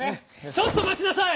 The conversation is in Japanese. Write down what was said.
ちょっとまちなさい！